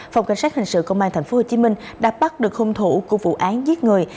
phòng cảnh sát hình sự công an tp hcm đã bắt được hung thủ của vụ án giết người